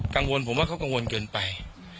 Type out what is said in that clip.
กังวลผมว่าเขากังวลเกินไป